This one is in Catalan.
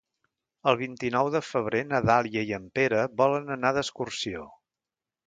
El vint-i-nou de febrer na Dàlia i en Pere volen anar d'excursió.